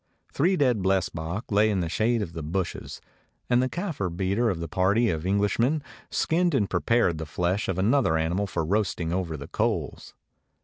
Three dead blesbok lay in the shade of the bushes, and the Kafir beater of the party of English men skinned and prepared the flesh of another animal for roasting over the coals.